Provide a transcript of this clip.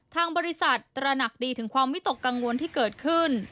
ทางบริษัทตระหนักดีถึงความวิตกกังวลที่เกิดขึ้น